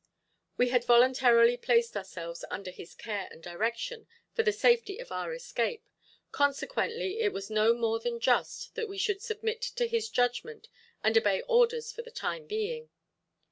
We had voluntarily placed ourselves under his care and direction for the safety of our escape, consequently it was no more than just that we should submit to his judgment and obey orders for the time being.